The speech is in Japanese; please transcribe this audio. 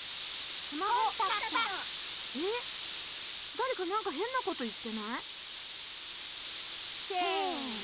だれかなんかへんなこと言ってない？せの！